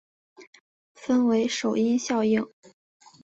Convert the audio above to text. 分为首因效应。